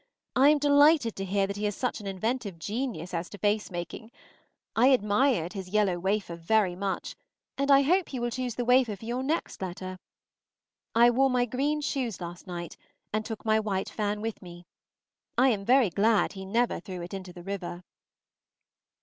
I am delighted to hear that he has such an inventive genius as to face making. I admired his yellow wafer very much, and hope he will choose the wafer for your next letter. I wore my green shoes last night, and took my white fan with me; I am very glad he never threw it into the river.